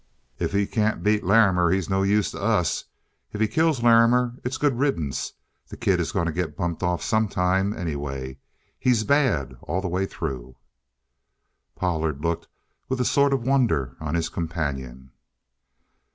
"If he can't beat Larrimer, he's no use to us; if he kills Larrimer, it's good riddance. The kid is going to get bumped off sometime, anyway. He's bad all the way through." Pollard looked with a sort of wonder on his companion.